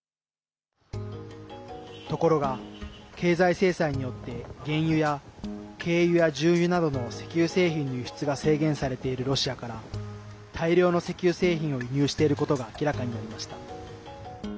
ところが、経済制裁によって原油や軽油や重油などの石油製品の輸出が制限されているロシアから大量の石油製品を輸入していることが明らかになりました。